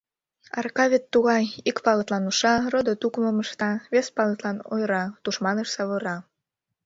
Арака вет тугай: ик пагытлан уша, родо-тукымым ышта, вес пагытлан ойыра, тушманыш савыра.